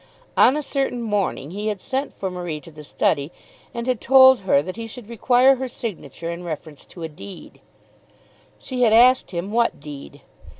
On a certain morning he had sent for Marie to the study and had told her that he should require her signature in reference to a deed. She had asked him what deed.